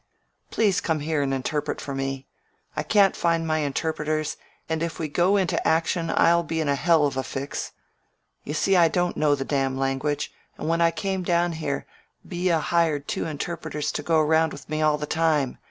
Please come here and interpret for me ! I can't find my interpreters, and if we go into action I'll be in a hell of a fix ! You see I don't know the damn language, and 2S2 BETWEEN ATTACKS when I came down here Villa hired two interpreters to go around with me all the time.